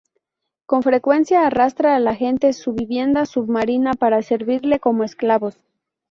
Con frecuencia arrastra a la gente a su vivienda submarina para servirle como esclavos.